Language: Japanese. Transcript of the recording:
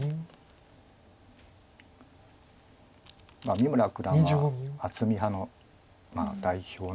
三村九段は厚み派の代表なので。